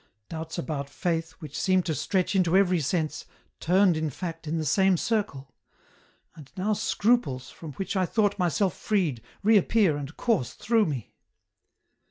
Doubts about Faith, which seemed to stretch into every sense, turned in fact in the same circle. And now scruples, from which I thought myself freed, reappear and course through me."